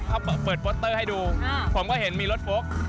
เอาเปิดบอสเตอร์ให้ดูผมก็เห็นมีรถโฟลก